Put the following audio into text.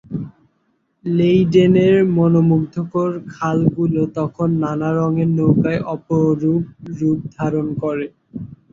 লেইডেনের মনোমুগ্ধকর খালগুলো তখন নানা রঙের নৌকায় অপরূপ রূপ ধারণ করে।